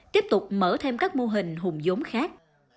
tiếp tục mở thêm các mô hình hùng giống khác